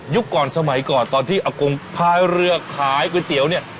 ก่อนสมัยก่อนตอนที่อากงพายเรือขายก๋วยเตี๋ยวเนี่ย